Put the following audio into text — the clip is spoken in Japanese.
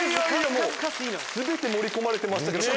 全て盛り込まれてましたけどね。